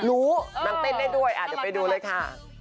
รู้นำเต้นได้ด้วยอ่ะเดี๋ยวไปดูเลยค่ะ